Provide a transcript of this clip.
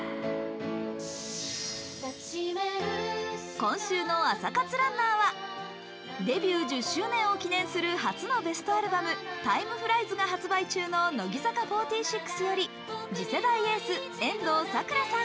今週の朝活ランナーは１０周年を記念した初のベストアルバム「Ｔｉｍｅｆｌｉｅｓ」が発売中の乃木坂４６より次世代エース・遠藤さくらさん。